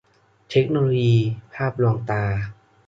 เทคโนโลยี-ภาพลวงตา